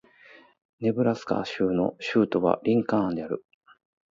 ネブラスカ州の州都はリンカーンである